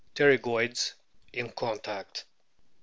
Pterygoids in contact.